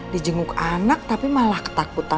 dijenguk anak tapi malah ketakutan